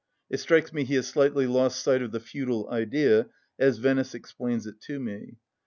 It strikes me he has slightly lost sight of the feudal idea, as Venice explains it to me